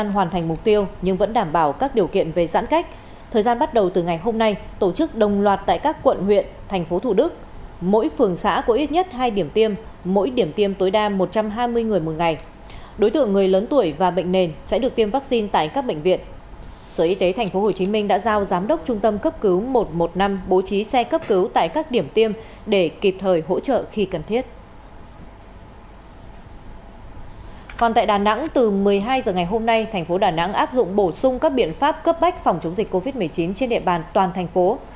hôm một mươi hai h ngày hôm nay thành phố đà nẵng áp dụng bổ sung các biện pháp cấp bách phòng chống dịch covid một mươi chín trên địa bàn toàn thành phố